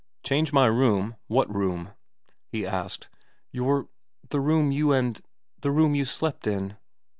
' Change my room ? What room ?' he asked. ' Your the room you and the room you slept in.'